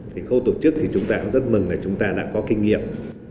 thì khâu tổ chức thì chúng ta cũng rất mừng là chúng ta đã có kinh nghiệm